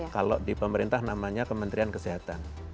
kalau di pemerintah namanya kementerian kesehatan